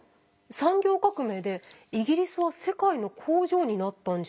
産業革命でイギリスは世界の工場になったんじゃ？